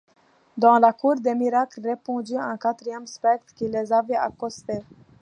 Dans la Cour des Miracles, répondit un quatrième spectre qui les avait accostés.